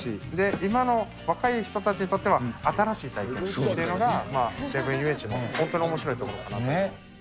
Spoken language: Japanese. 今の若い人たちにとっては新しい体験っていうのが西武園ゆうえんちの本当におもしろいところかなと。